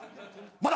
まだ！